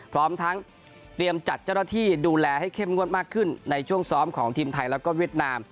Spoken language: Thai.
พร้อมทั้งเตรียมจัดเจ้าหน้าที่ดูแลให้เข้มงวดมากขึ้นในช่วงซ้อมของทีมไทยแล้วก็เวียดนาม